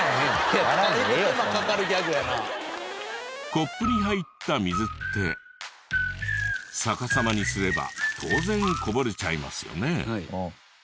コップに入った水って逆さまにすれば当然こぼれちゃいますよね。